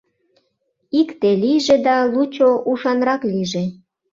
Икте лийже да, лучо ушанрак лийже.